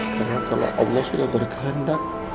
karena kalau allah sudah berkehendak